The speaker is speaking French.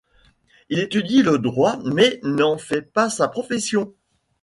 Il étudie le droit mais n'en fait pas sa profession.